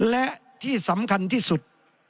และที่สำคัญที่สุด